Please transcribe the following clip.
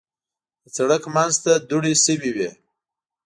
د سړک منځ ته دوړې شوې وې.